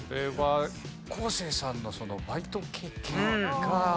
昴生さんのバイト経験がすごい。